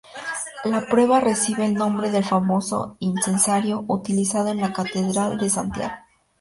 La prueba recibe el nombre del famoso incensario utilizado en la Catedral de Santiago.